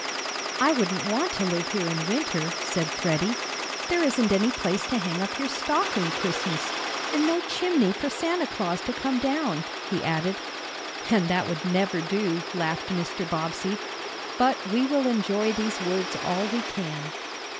"I wouldn't want to live here in winter," said Freddie. "There isn't any place to hang up your stocking Christmas, and no chimney for Santa Claus to come down!" he added. "And that would never do!" laughed Mr. Bobbsey. "But we will enjoy these woods all we can."